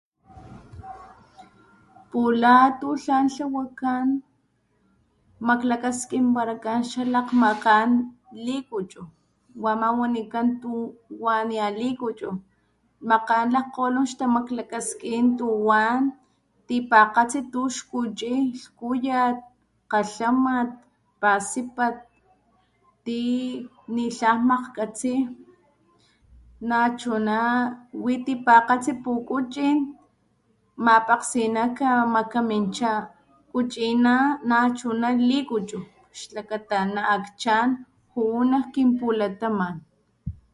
Pula tu tlan tlawakan, maklakaskinpalakan xalakmakgan likuchu wama wanikan tuwanialikuchu, makgan laJkgolon xtamaklakaskin tuwan tipakgatsi tuxkuchi lhkutay, kgalhamat, pasipat, ti nitlan maJkgatsi, nachuna wi tipakgatsi pukuchin, mapakgsina; kamakaminchá kuchina nachuna likuchu xlakata na'akchan ju'u nak kinpulataman.